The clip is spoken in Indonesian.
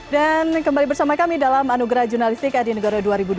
dan kembali bersama kami dalam anugerah jurnalistik adi nugoro dua ribu dua puluh dua